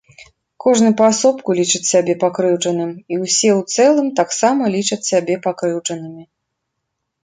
Кожны паасобку лічыць сябе пакрыўджаным і ўсе ў цэлым таксама лічаць сябе пакрыўджанымі.